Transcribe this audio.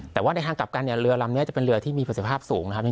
แต่ว่าในทางกลับกันเนี่ยเรือลำนี้จะเป็นเรือที่มีประสิทธิภาพสูงนะครับ